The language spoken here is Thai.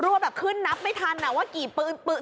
แบบขึ้นนับไม่ทันว่ากี่ปืน